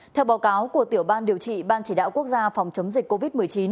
theo báo cáo của tiểu ban điều trị ban chỉ đạo quốc gia phòng chống dịch covid một mươi chín